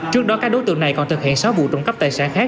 trước đó các đối tượng này còn thực hiện sáu vụ trộm cắp tài sản khác